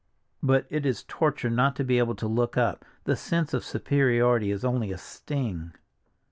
_ But it is torture not to be able to look up! The sense of superiority is only a sting.